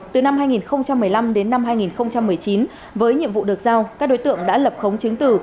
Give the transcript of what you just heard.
từ năm hai nghìn một mươi năm đến năm hai nghìn một mươi chín với nhiệm vụ được giao các đối tượng đã lập khống chứng tử